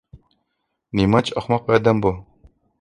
نېمانچە ئەخمەق ئادەم بۇ.